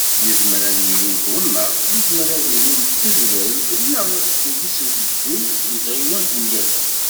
Yezmer ad yili n twennaḍt, yezmer ad yili n tedbelt neɣ deg useddu n tɣiwant n yal ass.